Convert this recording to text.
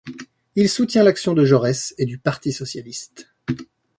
Il soutient l'action de Jaurès et du Parti socialiste.